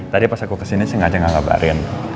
tadi pas aku kesini sengaja gak ngabarin